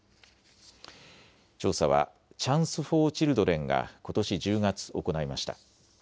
調査はチャンス・フォー・チルドレンがことし１０月、行いました。